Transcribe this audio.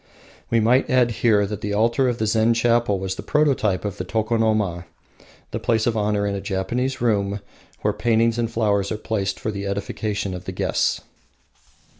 We might add here that the altar of the Zen chapel was the prototype of the Tokonoma, the place of honour in a Japanese room where paintings and flowers are placed for the edification of the guests.